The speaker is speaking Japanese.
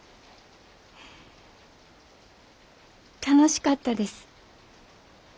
楽しかったです。